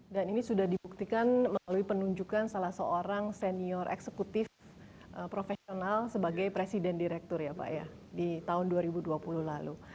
dan ini sudah dibuktikan melalui penunjukan salah seorang senior eksekutif profesional sebagai presiden direktur ya pak ya di tahun dua ribu dua puluh lalu